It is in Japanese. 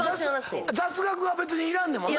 雑学は別にいらんねんもんな。